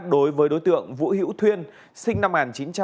đối với đối tượng vũ hữu thuyên sinh năm một nghìn chín trăm bảy mươi một